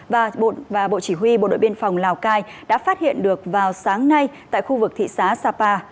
và bộ chỉ huy bộ đội biên phòng lào cai đã phát hiện được vào sáng nay tại khu vực thị xã sapa